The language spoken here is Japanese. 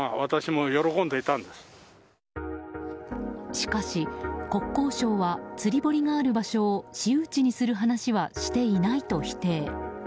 しかし国交省は釣り堀のある場所を私有地にする話はしていないと否定。